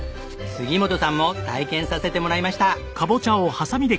杉本さんも体験させてもらいました。